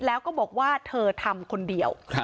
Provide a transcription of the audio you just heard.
แล้วก็บอกว่าเธอทำคนเดียว